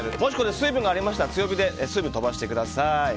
水分がありましたら強火で水分を飛ばしてください。